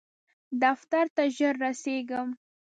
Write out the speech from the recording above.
دفتر ته ژر رسیږم